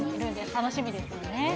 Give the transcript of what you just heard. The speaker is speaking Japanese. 楽しみですよね。